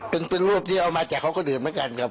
เป็นรูปที่เอามาจากเขาก็ดื่มเหมือนกันครับ